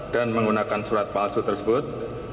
dan menggunakan surat palsu tersebut